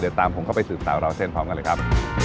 เดี๋ยวตามผมเข้าไปสืบสาวราวเส้นพร้อมกันเลยครับ